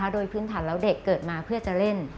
โดยพื้นฐานแล้วเด็กเกิดมาเพื่อจะเล่น